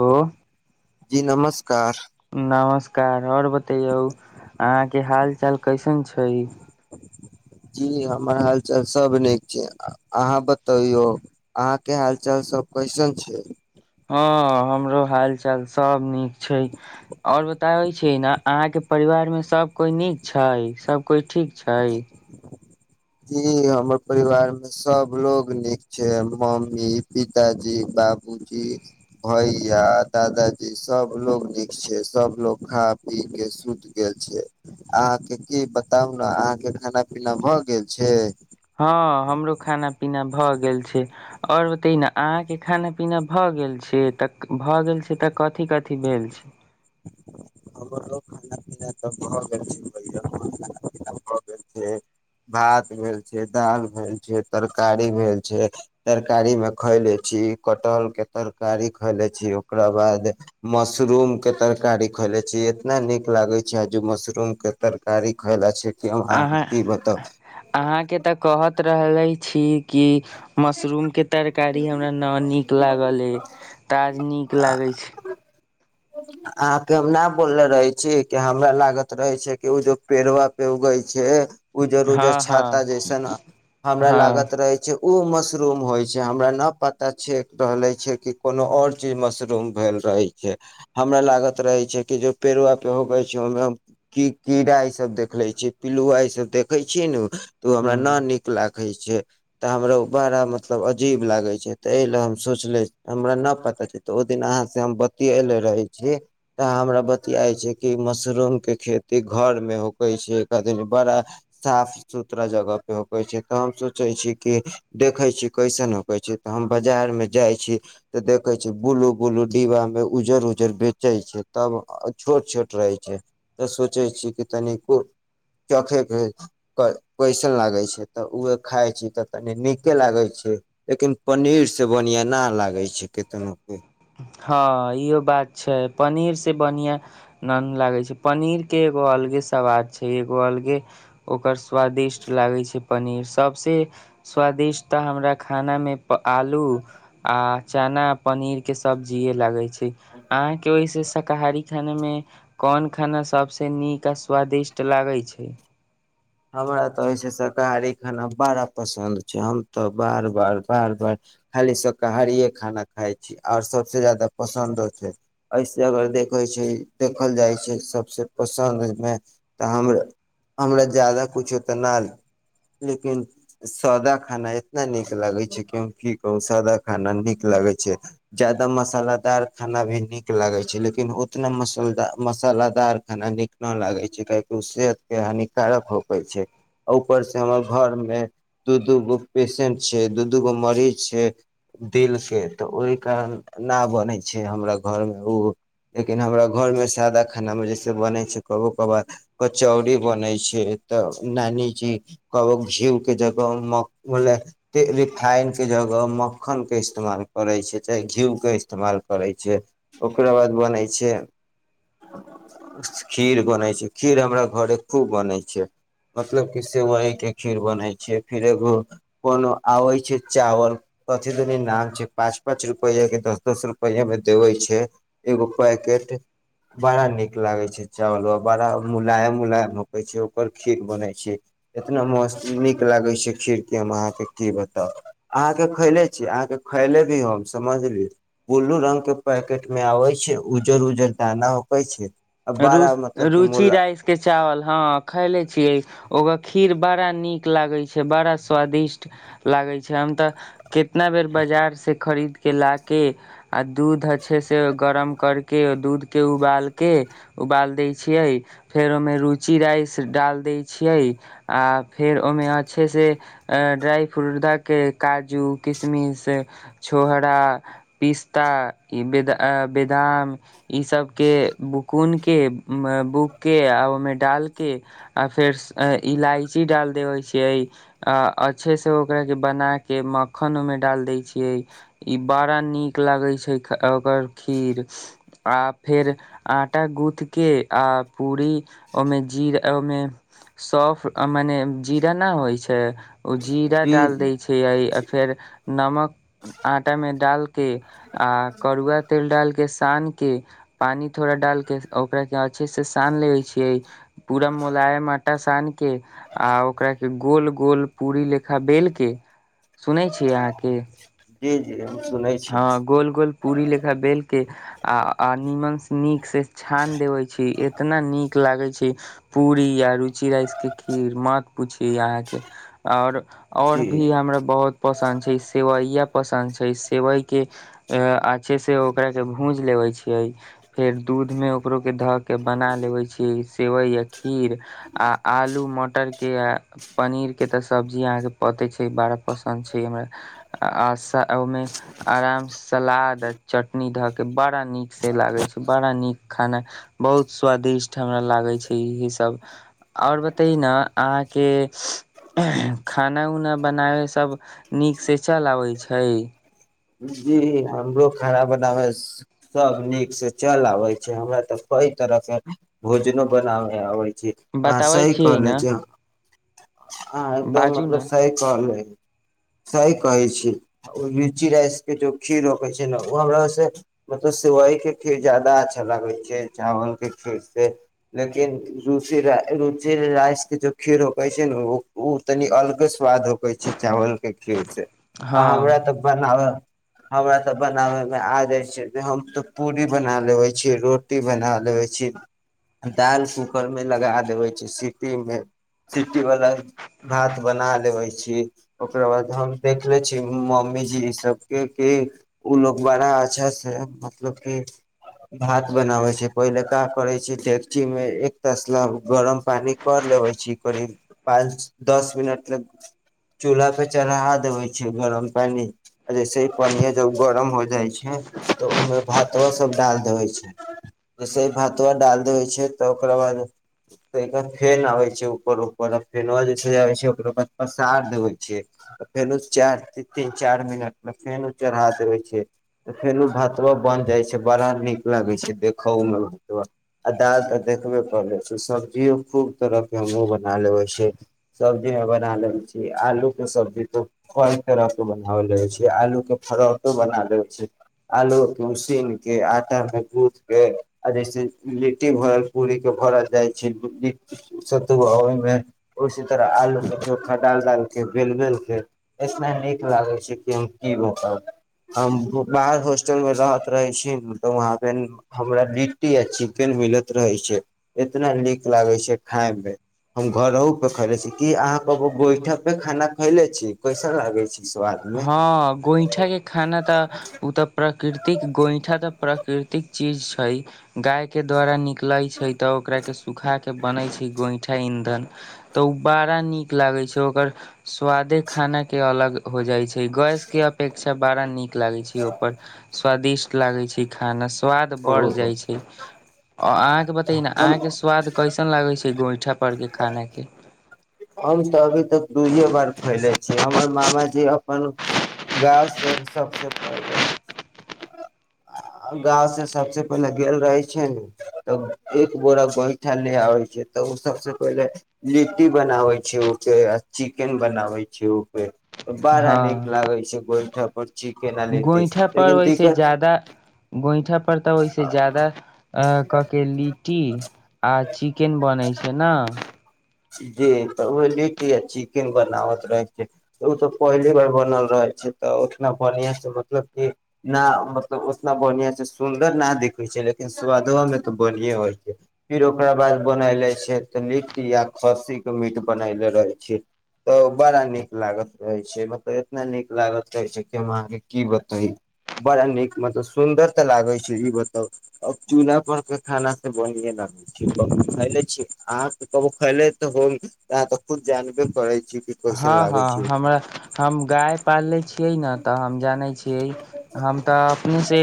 Hello जी नमस् कार। नमस्कार आओर बत तैयौ अहाँ के हाल चाल कैसन छै। जी हमर हालचाल सब नीक छै अहाँ बतैौ अहाँके हाल चाल सब कैसन छै। हँ हमरो हाल चाल सब नीक। छै आओर बताबै छै ने अहाँके। परिवार मे सब कोइ नीक छै सब। कोइ ठीक छै। ई हमर परिवार मे सब लोग नीक छै मम्मी पिताजी बाबूजी भैया दादाजी सब लोग नीक छै सब लोग खा पी के सुति गेल छै अहा के की बताउ ने अहा के खाना पीना भ गेल। छै। हँ हमरो खाना पीना भऽ गेल छै आओर ओते न। अहाँके खाना पीना भऽ गेल छै तऽ भऽ गेल छै तऽ। कथी कथी भेल छै। हमरो खाना पीना त भए गेल छै [inaudible] भात भेल छै दालि भेल छै तरकारी भेल छै तरकारी मे खैले छी कटहल के तरकारी खैले छी ओकरा बाद मशरूम के तरकारी। खले छी इतना नीक लागे छैज मशरूम के तरकारी खायलाे छै। कि हम अहाँ अहाँके की बताउ अहाँके तऽ कहत। रहले छी। कि मशरूम के तरकारी हमरा न नीक लागल अ त आज नीक लागै छै। अहाँके हम न बोलले रहे छी कि हमरा लागत रहे छै कि ओ जो पेड़वा पे उगै छै। उजर उजर हँ छाता हँ जैसन हमरा हँ लागत रहे छै। ओ मशरूम होइ छै हमरा नहि पता छेक रहलै छै कि कोनो आओर चीज मशरूम भेल रहैत छै। हमरा लागत रहे छै कि जे पेड़वा पे ऊगे छै ओहि मे की कीड़ा ई सब देखले छी पिलुवा इ सब देखे छी नु। तऽ ओ हमरा न ह नीक लाग। देखे छ तऽ हमरा उ बड़ा मतलब अजीब लागे छै ते ए ले हम सोचले हमरा न पता छै ते ओ दिन अहाँ से हम बतयले रहे। तऽ हमरा बतियाय छै कि मशरूम के खेती घर में होक छै एक आदम बड़ा साफ सुथरा जगह पे होक छै तऽ हम सोचे छी कि देखे छी कैसन होक छै तऽ हम बाजार में जाय छी त देखे छी ब्लू ब्लू डिबा मे उजर उ जे बेचै छै तब छोट छोट रहै छै तऽ सोचै छी कि तन चखैके कैसन लागै छै तऽ ओए खाइ छी तऽ तनी नीके लागै छै लेकिन पनीर से बढ़आँ नहि लागै छै केतनो भी। हँ इहो बात छै पनीर से बढ़िआ नन लागै छै पनीर के एगो अलगे सवाद छै एगो अलगे ओकर। स्वादिष्ट लागै छै। पनीर सबसँ स्वादिष्ट त हमरा खानामे। ब आलू आ। चना पनीर। के सब्जीेए लागे छै। अहाँके ओहिसँ शाकाहारी। खाने में कोन खाना सबस नीक आ स्वादिष्ट लागे छै। हमरा तऽ अइसे शाकाहारी खाना बड़ा पसन्द छै हम तऽ बार बार बार बार खाली शाकाहारिए खाना खाइ छी आओर सभसँ ज्यादा पसन्दो छै एहिसे अगर देखै छै देखल जाइ छै सभसँ पसन्दमे तऽ हम हमरा जादाा कुछो तऽ नहि लेकिन सादा खाना इतना नीक लागै छै कि की कहू सादा खाना नीक लागै छै जादाा मसालदार खाना भी नीक लागै छै लेकिन ओतना मसाल मसालदार खाना नीक नहि लागै छै काहेकि ओ सेहतके हानिक कारक हो छै ऊपर से हमर घर में दू दू गो पसेंट छै दू दू गो मरीज छै दिल के तऽ ओहि कारण न बनै छै हमरा घर में ओ लेकिन हमरा घर में सादा खाना मे जैसे बनै छै कबो कबार कचौड़ी बनै छै। तऽ नानीजी कह घयू के जगह रिफाइनक जगह मक्खन के इस्तेमाल करै छै चे घी के इस्तेमाल करै छै ओकरा बाद बनै छै खीर बनै छै खीर हमरा घरे खू। बनै छै मतलब की सेवई के खीर बनै छै फिर एगो कोनो आबे छै चावल कथी दनी नाम छै, पाँच- पाँच रुपआ में दस- दस रुपआ में देवे छै, एगो पैकेट बड़ा नीक लागे छै चावल बड़ा मुलायम-मुलायम। होइ छै ओकर खीर बनै छै इतना मस्त नीक लागै छै खीर क हम अहाँके की बताउ, अहाँके खैले छी अहाँके खैले भी हम समझली बुल्लू रङंगगके पैकेट में आबै छै उज्जर-उज्जर दाना उकै छै। आ रु, बड़ा मतलब के रुचि मुला राइस के चावल हँ। खयले छियै ओकर खीर बड़ा नीक लागै छै बड़ा स्वादिष्ट लागै छै, हम तऽ कितना बेर बाजारसँ खरीद कऽ ला कऽ। आ दूध अच्छे से गरम कर। के दूध के उबालके। उबाल दै छियै फेर ओहिमे रुचि राइस डालि दै छियै आ। फेर ओहिमे अच्छे से। ड्राइ फ्रूट दऽके काजू किशमिश छोहहारा पिस्ता बदाम ई सबके। कुन के बूक कऽ आ ओहि में डालि के आ फेर इलायची डालि दबै छियै, आ अच्छेसँ ओकराके बना कऽ मक्खन ओहिमे डालि दै छियै, ई बड़ा नीक लगै छै ओकर खीर आ फेर। आटा गूँथकेे आऽ पूड़ी ओहि में जीर ओहि में सॉफ मने जीरा नहि होइ छै। ओ जीरा जी डाल जी दै छै आ फेर। नमक आटा में डाल। के आ करुआ तेल डालके सान। के पानी। थोड़ा डालके ओकरा के अच्छे से सानि लेै छियै, पूरा मोलायम आटा सान के आ ओकरा के। गोल- गोल पूरी लेखा बेलके। सुनै छिय अहाँके। ज। ह गोल- गोल पूरी लेखा बेलके आ निमन। नीक से। छान देवे छी एतना नीक। लागै छै पूरी यर। रुचि राइस के खीर मत पूछि अहाँ के और, और जी भी हमरा बहुत पसन्द छै सेवैया। पसन छै। सेवइ के अच्छे से ओकरा के भूज लेबै छियै। फेर दूधमें ओकरोके धऽ के बना लेबै छी, सेवइ या खीर आ आलू मटर। पनीर के तऽ सब्जी पते छै, बड़ा पसन्द छै हमरा आ। आराम सलाद आ चटनी धऽ के बड़ा नीकसँ लागै छै, बड़ा नीक खाना बहुत स्वादिष्ट हमरा लागै छै, इह सभ आओर बतैय ने अहाँके खाना-उना बनाबै सभ नीकसँ चल आबै छै। जी हमरो खाना बनावे सब नीक से चल आबे छै, हमरा तऽ कई तरह के भोजनों बनाव आबे छै। आ बताबै सही छियै करले न छै। हँ एकदम बाजू मतलब न सही कहलै। सही कहै छी, लीची राइस के जो खीर रकै छै ने ओ हमरा से मतलब सेवइ के खीर ज्यदा अच्छा लागै छै, चावल के खीर से लेकिन रूचि राइस के जो खीर छै। ओ तनि अलगस। स्वाद होक छै चावल के खिर से आ हँ हमरा तऽ बनाब। हमरा तऽ बनाबयमे आ जाइ छै ते हम तऽ पूरी बना लेबै छीै रोटी बना लेबै छी दालि कूकरमे लगा देबै छीै सीटीमे सिटीवला भात बना लेबै छी ओकरा बाद हम देख ले छी मम्मीजी सबके कि ओ लोग बड़ा अच्छासे मतलब कि भात बनाबै छै पहिले का करै छै डेकचीमे एक तसला गरम पानी कर लेबै छी करीब पाँच दस मिनटल चूल्हापे चढ़ा देबै छै गरम पानि आ जैसेही पनीया जब गरम हो जाइ छै तऽ ओहमे भातवा सब डालि देबै छै जैसेही भातवा डालि देबै छै तऽ ओकरा बाद तहिखन फेन अबै छै उपर उपर आफेनवा जे चैल आबै छै ओकरो बाद पसार देबै छै फेनु चारि तीन चारि मिनट मे फेनु चढ़ा देबै छै फेनु भातवा बनि जाइ छै बड़ा नीक लागै छै देखहो मे ऊ भातवा आ दालि तऽ देखबे करै छै सब्जियो खूब तरह के हमूँ बन बना लेबै छी। सब्जी मे बना लैछी। आलू के सब्जी त कई तरह के बना लै छी। आलू के परौठो बना लै छै आलू के उसिनक के आटा मे गूंथ के आ जैसे लिट्टी भरल पूरी के भरल जाइ छै सतुआ वै उसी तरह आलूके चोखा डाल डाल के बेल बेलकेऽ एतना नीक लागै छै कि हम की बताऊ। हम ब बाहर होस्टलमे रहैत रहै छी ने तऽ वहाँपे हमरा लिट्टी आ चिकेन मिलैत रहै छै एतना नीक लागै छै खायमे हम घरहु पे खैले छी की अहाँ कबो गोईठा पे खाना खैले छी कैसन लागै छै? स्वाद मे हँ, गोइठा के खाना तऽ ओ तऽ प्रकृतिक गोइठा तऽ प्रकृत। क चीज छै, गाय के द्वारा निकलै छै तऽ ओकरा के सुूखा के बनै छै गोईठा ईंधन, तऽ ओ बड़ा नीक लागे छै ओकर स्वादे खाना के अलग। हो जाइ छै। गैस के अपेक्षा। बड़ा नीक। लागै छी ओपर स्वादिष्ट लागै छै खानास स्वाद ओ बढ़ जाय छै, ओ आहाँ के बत तैना हम अहांके स्वाद क कैसन लागै छै गोइठा पर के खाना के हम तऽ अभी तक दुूईये बार खैले छी, हमर मामाजी अपन गाँव से सबसे पहिले गाँव से सबसे पहिले गेल रहै छै ने तऽ एक बोरा गोइठा ले आबै छै तऽ ऊ सबसे पहिले लिट्टी बनाबै छै ऊपे आ चिकेन बनाबै छै ऊपे बड़ा हँ नीक लागे छै गोइठा पर चिकेन आ लिट्टी से लेकिन से दिक्कत जादा गोइठा पर तऽ ओहिसे ज्यादा कके लिट्टी आ चिकेन बनै छै ना जी, तऽ ऊहे लिट्टी आ चिकेन बनाबत रहै छै तऽ ऊ तऽ पहिली बार बनल रहै छै तऽ उतना बढ़िआँसे मतलब कि ना मतलब उतना बढ़िआँ से सुन्दर ना दिखै छै लेकिन सु्वदवामें तऽ बढ़िएँ होइ छै फेर ओकरा बाद बनयले छै तऽ लिट्टी या खस्सीके मीट बनयले रहै छियै तऽ बड़ा नीक लागैत रहै छै मतलब एतना नीक लागैत रहै छै कि हम अहाँकें की बतईयई बड़ा नीक मतलब सुन्दर तऽ लागै छै ई बताउ अब चूल्हा पर के खाना तऽ बढ़िए लागै छै। कबु खैले छी अहां अबु खैले त होब अहाॅं त खुद जानबे करै छी। कि कैसन हँ लागै हँ छै हमरा हम गाय पालले छी छियै ने तऽ हम जानै छियै हम तऽ अपनेसे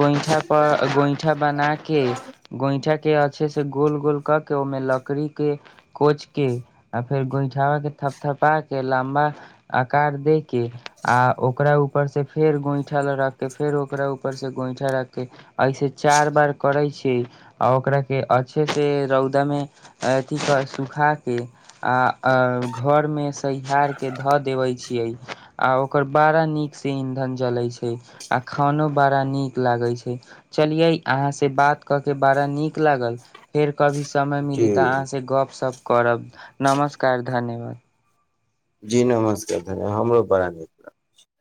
गोइंठा पर गोइंठा बनाके गोइंठाके अच्छे से गोल गोल कऽ के ओमे लकड़ी के कोच के आ फेर गोइठाबा के थप थपा के लम्बा आकार दे के आ ओकरा ऊपर से फेर गोइंठाला रख के फेर ओकरा ऊपर से गोइंठा रख के ऐसे चार बार करै छी के आ ओकराके अच्छे से रौदामे अथीक सुखाके आ अ घरमे सहिहारके धऽ देबै छियै आ ओकर बड़ा नीकसे ईंधन जलै छै आ खानो बड़ा नीक लागै छै। चलियै अहाँसे बात कऽ के बड़ा नीक लागल फेर कभी समय जी मिली तऽ अहाँसे गप सप करब, नमस्कार धन्यवाद। जी नमस्कार धन्य हमरो बड़ा नीक